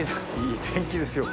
いい天気ですよ